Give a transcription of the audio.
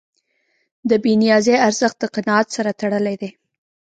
د بېنیازۍ ارزښت د قناعت سره تړلی دی.